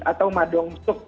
atau ma dong suk